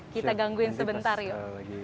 kita gangguin sebentar yuk